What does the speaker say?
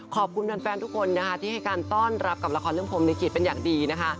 ขอบคุณแฟนทุกคนนะคะที่ให้การต้อนรับกับละครเรื่องพรมลิขิตเป็นอย่างดีนะคะ